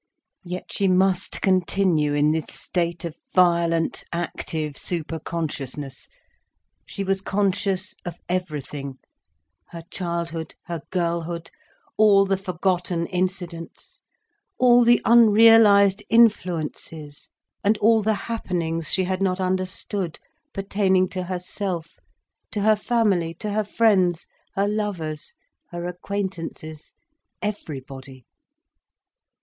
Yet she must continue in this state of violent active superconsciousness. She was conscious of everything—her childhood, her girlhood, all the forgotten incidents, all the unrealised influences and all the happenings she had not understood, pertaining to herself, to her family, to her friends, her lovers, her acquaintances, everybody.